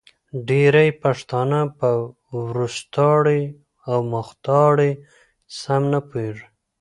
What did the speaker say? ډېری پښتانه په وروستاړې او مختاړې سم نه پوهېږې